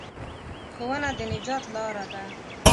ښوونه د نجات لاره ده.